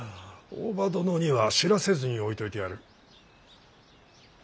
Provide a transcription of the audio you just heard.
大庭殿には知らせずにおいといてやる。